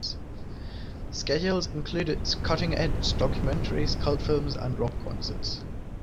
Schedules included cutting-edge documentaries, cult films, and rock concerts.